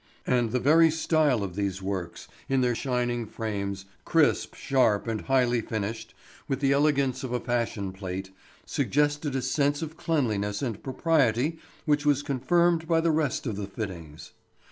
And the very style of these works, in their shining frames, crisp, sharp, and highly finished, with the elegance of a fashion plate, suggested a sense of cleanliness and propriety which was confirmed by the rest of the fittings.